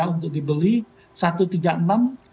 untuk dibeli satu ratus tiga puluh enam